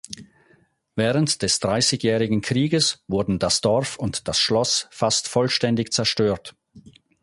Während des dreißigjährigen Krieges wurden das Dorf und das Schloss fast vollständig zerstört.